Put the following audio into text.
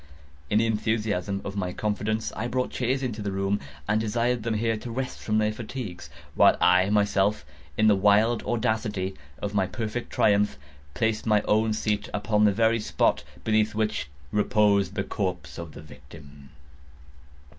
In the enthusiasm of my confidence, I brought chairs into the room, and desired them here to rest from their fatigues, while I myself, in the wild audacity of my perfect triumph, placed my own seat upon the very spot beneath which reposed the corpse of the victim.